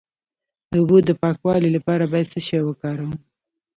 د اوبو د پاکوالي لپاره باید څه شی وکاروم؟